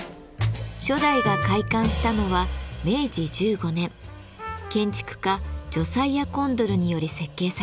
初代が開館したのは明治１５年建築家ジョサイア・コンドルにより設計されました。